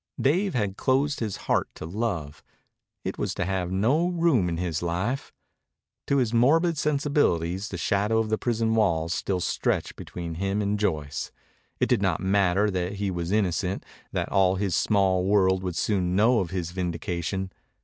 Dave had closed his heart to love. It was to have no room in his life. To his morbid sensibilities the shadow of the prison walls still stretched between him and Joyce. It did not matter that he was innocent, that all his small world would soon know of his vindication.